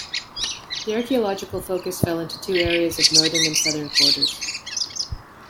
The archaeological focus fell into two areas of northern and southern quarters.